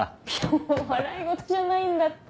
もう笑い事じゃないんだって。